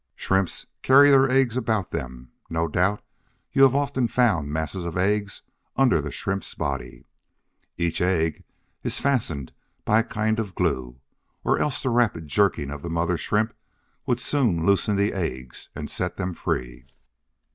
Shrimps carry their eggs about with them; no doubt you have often found masses of eggs under the Shrimp's body. Each egg is fastened by a kind of "glue," or else the rapid jerking of the mother Shrimp would soon loosen the eggs and set them free.